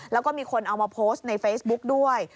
แล้วก็มีคนเอามาโพสต์ในเฟซบุ๊กด้วย